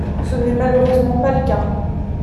Ce n’est malheureusement pas le cas.